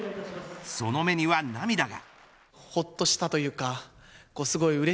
その目には涙が。